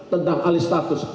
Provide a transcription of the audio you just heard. tentang alih status